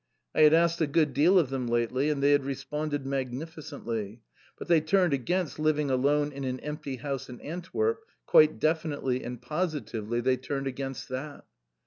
I had asked a good deal of them lately, and they had responded magnificently. But they turned against living alone in an empty house in Antwerp, quite definitely and positively, they turned against that.